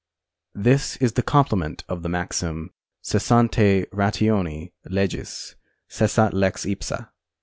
This is the complement of the maxim, Cessante ratione legis, cessat lex ipsa.